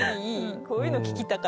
こういうの聞きたかった。